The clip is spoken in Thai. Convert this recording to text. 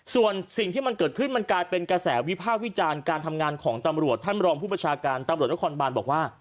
ส่วนสิ่งที่มันเกิดขึ้นมันกลายเป็นกระแสวิพากษ์วิจารณ์การทำงานของตำรวจท่านรองผู้ประชาการตำรวจนครบานบอกว่า